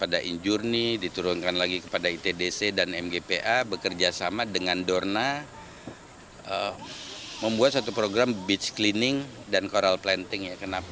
ada injurnie diturunkan lagi kepada itdc dan mgpa bekerjasama dengan dorna membuat satu program beach cleaning dan coral planting